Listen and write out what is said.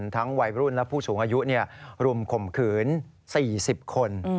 วัยรุ่นและผู้สูงอายุรุมข่มขืน๔๐คน